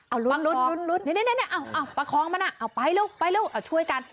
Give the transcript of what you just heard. เอารุดนี่ประคองมันไปเร็วช่วยกัน